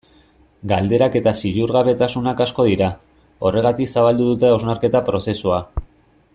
Galderak eta ziurgabetasunak asko dira, horregatik zabaldu dute hausnarketa prozesua.